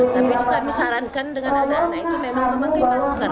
tapi ini kami sarankan dengan anak anak itu memang memakai masker